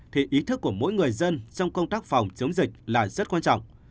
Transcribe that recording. thì ý thức của mỗi người dân trong công tác phòng chống dịch là rất quan trọng